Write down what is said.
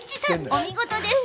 お見事です。